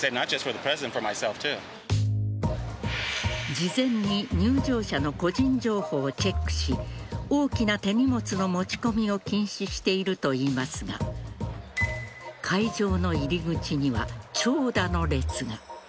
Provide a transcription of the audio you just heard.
事前に入場者の個人情報をチェックし大きな手荷物の持ち込みを禁止しているといいますが会場の入り口には長蛇の列が。